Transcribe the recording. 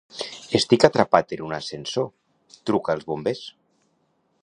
Estic atrapat en un ascensor; truca els bombers.